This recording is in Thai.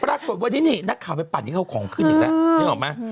ปรากฏวันนี้นี่นักข่าวไปปั่นให้เขาของขึ้นอีกแล้วนึกออกไหม